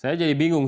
saya jadi bingung